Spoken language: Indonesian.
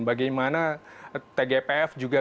bagaimana tgpf juga